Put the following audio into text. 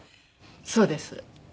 そうです。